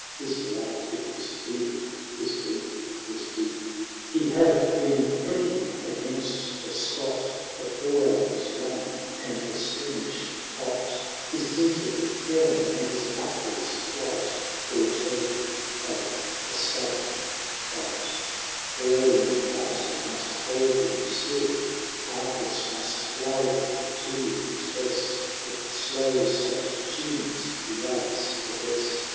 His blood it was fevered, his breathing was deep. He had been pricking against the Scot, The foray was long, and the skirmish hot *, His dinted helm and his buckler*s plight Bore token of a stubborn fight All in the castle must hold them still, Harpers must lull him to his rest. With the slow soft tunes he loves the best.